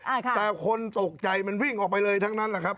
ใช่ค่ะแต่คนตกใจมันวิ่งออกไปเลยทั้งนั้นแหละครับ